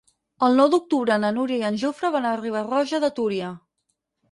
El nou d'octubre na Núria i en Jofre van a Riba-roja de Túria.